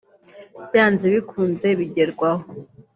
byanze bikunze bigerwaho